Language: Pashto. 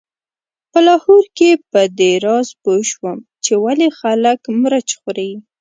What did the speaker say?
په لاهور کې په دې راز پوی شوم چې ولې خلک مرچ خوري.